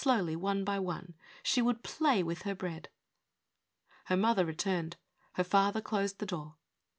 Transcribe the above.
'Vvly, one by one. She Avould play with her breed. Her mother returned; her father closed the door.